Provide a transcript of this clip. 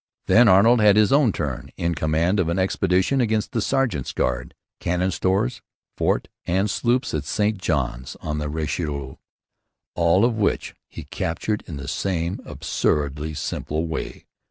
Then Arnold had his own turn, in command of an expedition against the sergeant's guard, cannon, stores, fort, and sloop at St Johns on the Richelieu, all of which he captured in the same absurdly simple way.